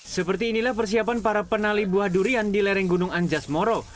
seperti inilah persiapan para penali buah durian di lereng gunung anjas moro